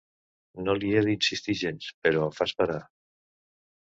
No li he d'insistir gens, però em fa esperar.